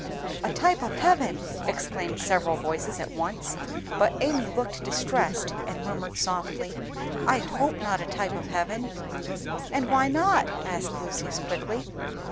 "A type of heaven!" exclaimed several voices at once; but Amy looked distressed, and murmured softly, "I hope not a type of heaven." "And why not?" asked Lucius, quickly.